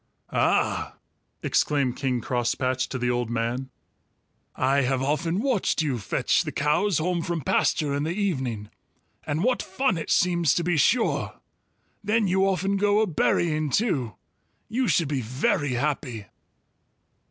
"Ah!" exclaimed King Crosspatch to the old man, "I have often watched you fetch the cows home from pasture in the evening, and what fun it seems, to be sure! Then you often go a berrying too. You should be very happy."